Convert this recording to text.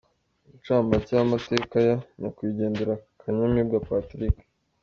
Incamake y'amateka ya Nyakwigendera Kanyamibwa Patrick.